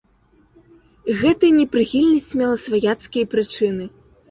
Гэтая непрыхільнасць мела сваяцкія прычыны.